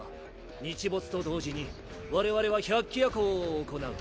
日没と同時に我々は百鬼夜行を行う。